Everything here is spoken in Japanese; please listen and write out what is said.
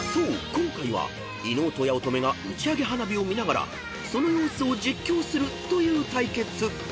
今回は伊野尾と八乙女が打ち上げ花火を見ながらその様子を実況するという対決］